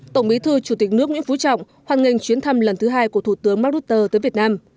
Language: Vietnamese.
tổng bí thư chủ tịch nước nguyễn phú trọng hoàn nghênh chuyến thăm lần thứ hai của thủ tướng mark rutte tới việt nam